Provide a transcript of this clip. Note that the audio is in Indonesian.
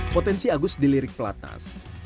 potensi agus di lirik platnas